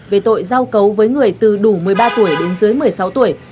về tội giao cấu với người từ đủ một mươi ba tuổi đến dưới một mươi sáu tuổi